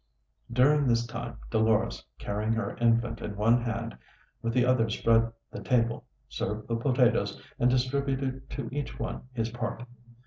During this time Dolores, carrying her infant in one hand, with the other spread the table, served the potatoes, and distributed to each one his part.